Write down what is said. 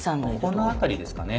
ここの辺りですかね？